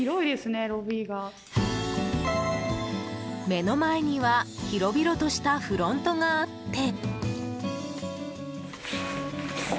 目の前には広々としたフロントがあって。